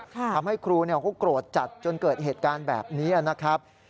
ทำให้ครูเขาโกรธจัดจนเกิดเหตุการณ์แบบนี้นะครับ